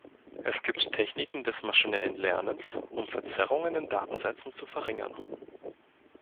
Es gibt Techniken des maschinellen Lernens, um Verzerrungen in Datensätzen zu verringern.